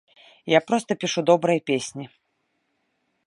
Я проста пішу добрыя песні.